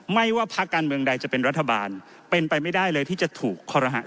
ไม่ว่าพักการเมืองใดจะเป็นรัฐบาลเป็นไปไม่ได้เลยที่จะถูกคอรหะ